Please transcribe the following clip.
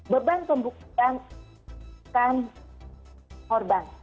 beban pembuktian bukan korban